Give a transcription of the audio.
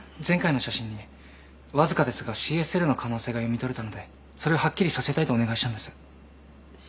前回の写真にわずかですがＣＳＬの可能性が読み取れたのでそれをはっきりさせたいとお願いしたんです。